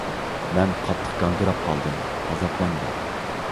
مەن قاتتىق گاڭگىراپ قالدىم، ئازابلاندىم.